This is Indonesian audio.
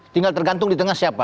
tinggal tergantung di tengah siapa